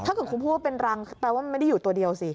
ถ้าเกิดคุณพูดว่าเป็นรังแปลว่ามันไม่ได้อยู่ตัวเดียวสิ